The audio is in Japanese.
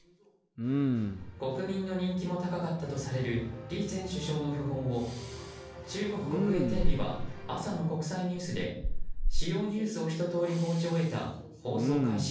国民の人気も高かったとされる李前首相の訃報を中国国営テレビは朝の国際ニュースで主要ニュースをひととおり報じ終えた放送開始